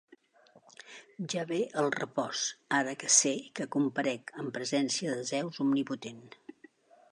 Ja ve el repòs, ara que sé que comparec en presència de Zeus omnipotent.